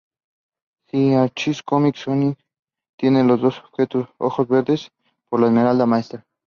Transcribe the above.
Según Archie Comics, Sonic tiene los ojos verdes por la Esmeralda Maestra.